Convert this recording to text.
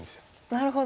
なるほど。